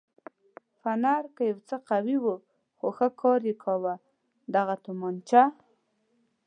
فنر یې یو څه قوي و خو ښه کار یې کاوه، دغه تومانچه.